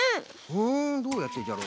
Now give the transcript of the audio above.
ふんどうやってじゃろ？